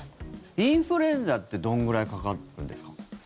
インフルエンザってどんぐらいかかるんですか？